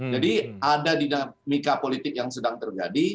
jadi ada dinamika politik yang sedang terjadi